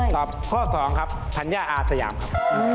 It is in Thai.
ตอบข้อ๒ครับธัญญาอาสยามครับ